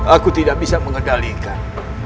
aku tidak bisa mengendalikan